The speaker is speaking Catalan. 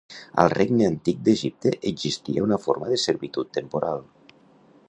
Al Regne Antic d'Egipte existia una forma de servitud temporal.